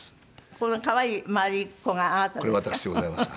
この可愛い丸い子があなたですか？